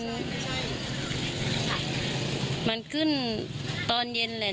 มันมันขึ้นตอนเย็นแหละเนอะอ๋อตอนเย็นใช่ไหมค่ะ